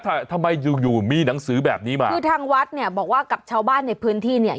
ทำไมอยู่อยู่มีหนังสือแบบนี้มาคือทางวัดเนี่ยบอกว่ากับชาวบ้านในพื้นที่เนี่ย